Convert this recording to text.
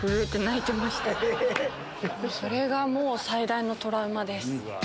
それが最大のトラウマです。